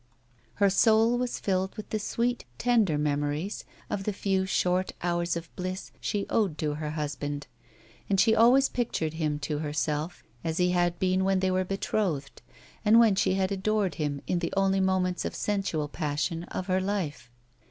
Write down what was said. Her soul was filled with the sweet, tender memories of the few, short hours of bliss she owed to her husband, and she always pictured him to herself as he had been when they were betrothed, and when she had adored him in the only moments of sensual passion of her life.